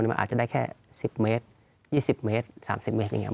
มันอาจจะได้แค่๑๐เมตร๒๐เมตร๓๐เมตรอย่างนี้